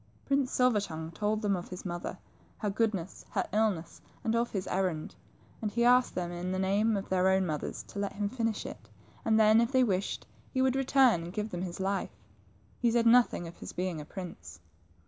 Prince Silver tongue told them of his mother, her goodness, her illness, and of his errand, and he asked them in the name of their own mothers to let him finish it \ and then, if they wished, he would return and give them his fife. He said nothing of his being a prince.